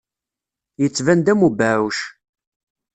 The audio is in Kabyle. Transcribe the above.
Yettban-d am ubeɛɛuc.